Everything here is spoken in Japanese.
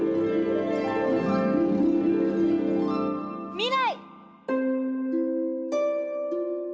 未来！